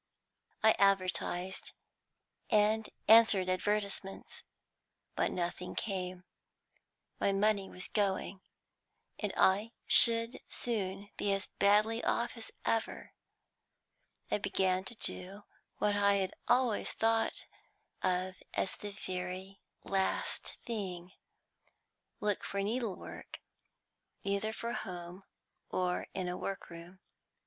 "I advertised, and answered advertisements, but nothing came. My money was going, and I should soon be as badly off as ever. I began to do what I had always thought of as the very last thing, look for needlework, either for home or in a workroom.